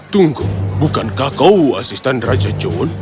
tunggu bukankah kau asisten raja john